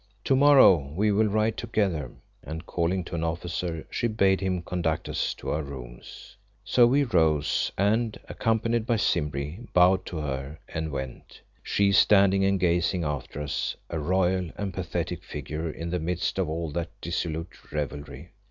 To morrow we will ride together," and calling to an officer, she bade him conduct us to our rooms. So we rose, and, accompanied by Simbri, bowed to her and went, she standing and gazing after us, a royal and pathetic figure in the midst of all that dissolute revelry.